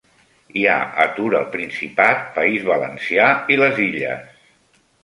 Hi ha atur al Principat, País Valencià i les Illes